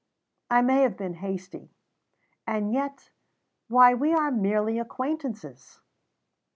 "I may have been hasty. And yet why, we are merely acquaintances!"